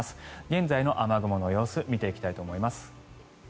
現在の雨雲の様子を見ていきたいと思います。